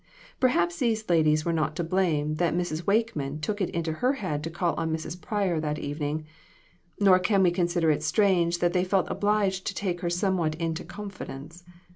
Perhaps these ladies were not to blame that Mrs. Wakeman took it into her head to call on Mrs. Pryor that even ing; nor can we consider it strange that they felt obliged to take her somewhat into confidence.